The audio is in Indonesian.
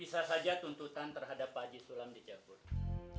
bisa saja tuntutan terhadap pak haji sulam di jabod